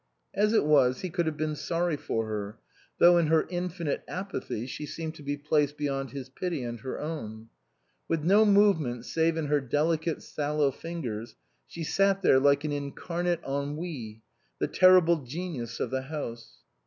As it was he could have been sorry for her, though in her infinite apathy she seemed to be placed beyond his pity and her own. With no movement save in her delicate sallow fingers, she sat there like an incarnate Ennui, the ter rible genius of the house.